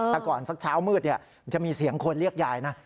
แต่ก่อนสักเช้ามืดจะมีเสียงคนเรียกยายนะ